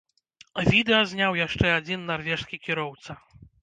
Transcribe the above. Відэа зняў яшчэ адзін нарвежскі кіроўца.